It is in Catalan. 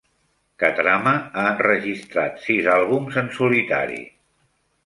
Katrama ha enregistrat sis àlbums en solitari.